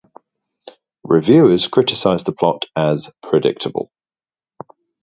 Reviewers criticized the plot as predictable.